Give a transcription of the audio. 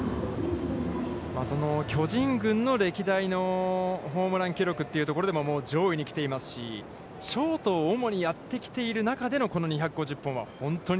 その巨人軍の歴代のホームラン記録というところでももう上位に来ていますし、ショートを主にやってきている中でのこの２５０本は、本当に。